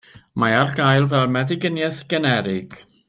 Mae ar gael fel meddyginiaeth generig.